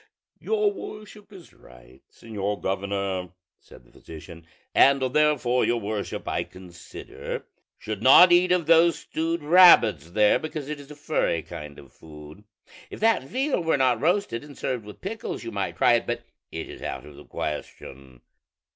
"Your worship is right, señor governor," said the physician; "and therefore your worship, I consider, should not eat of those stewed rabbits there, because it is a furry kind of food: if that veal were not roasted and served with pickles, you might try it; but it is out of the question."